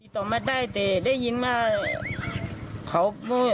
ต่อมาได้ได้ยินว่า